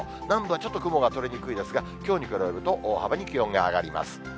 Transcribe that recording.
南部はちょっと雲がとれにくいですが、きょうに比べると、大幅に気温が上がります。